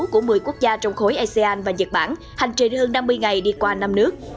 của một mươi quốc gia trong khối asean và nhật bản hành trình hơn năm mươi ngày đi qua năm nước